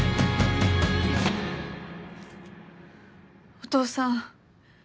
お父さん。